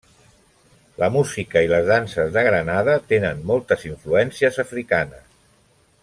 La música i les danses de Grenada tenen moltes influències africanes.